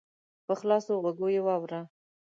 په خلاصو غوږو یې واوره !